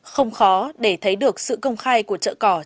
không khó để thấy được sự công khai của chợ cỏ trên mạng